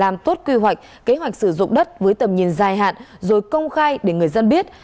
làm tốt quy hoạch kế hoạch sử dụng đất với tầm nhìn dài hạn rồi công khai để người dân biết